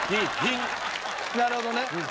なるほどね。